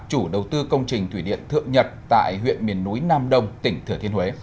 chủ đầu tư công trình thủy điện thượng nhật tại huyện miền núi nam đông tỉnh thừa thiên huế